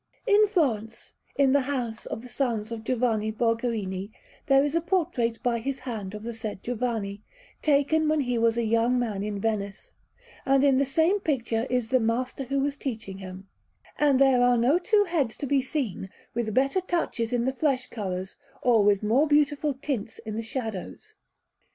In Florence, in the house of the sons of Giovanni Borgherini, there is a portrait by his hand of the said Giovanni, taken when he was a young man in Venice, and in the same picture is the master who was teaching him; and there are no two heads to be seen with better touches in the flesh colours or with more beautiful tints in the shadows.